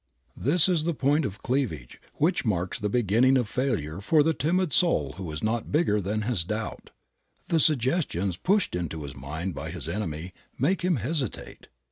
This is the point of cleavage which marks the beginning of failure for the timid soul who is not bigger than his doubt. The suggestions pushed into his mind by his enemy make him hesitate.